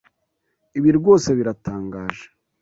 Ibi rwose biratangaje.